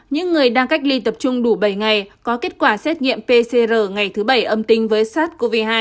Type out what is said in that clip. những người đang cách ly tập trung đủ bảy ngày có kết quả xét nghiệm pcr ngày thứ bảy âm tính với sars cov hai